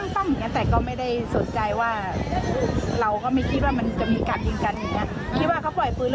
เสียงมันก็ดังเสียงเหมือนมันพัดเหมือนคนปล่อยปืนอ่ะ